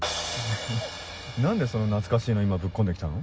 え何でそんな懐かしいの今ぶっ込んで来たの？